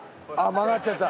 曲がっちゃった